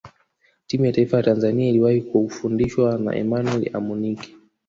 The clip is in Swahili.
timu ya taifa ya tanzania iliwahi kufundishwa na emmanuel amunike